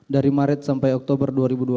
dari maret sampai oktober dua ribu dua puluh